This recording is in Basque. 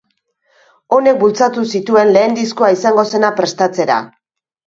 Honek bultzatu zituen lehen diskoa izango zena prestatzera.